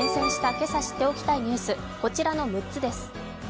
今朝知っておきたいニュースこちらの６つです。